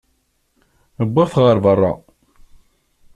Wwiɣ-t ɣer berra.